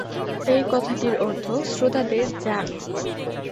এই কথাটির অর্থ শ্রোতাদের যান।